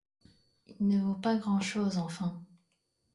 Il ne vaut pas grand'chose, enfin.